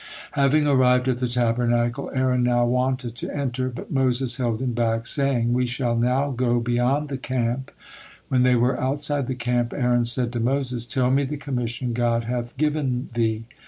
Having arrived at the Tabernacle, Aaron now wanted to enter, but Moses held him back, saying: "We shall now go beyond the camp." When they were outside the camp, Aaron said to Moses: "Tell me the commission God hath given thee."